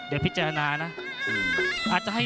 นักมวยจอมคำหวังเว่เลยนะครับ